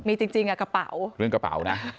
มีจริงกระเป๋า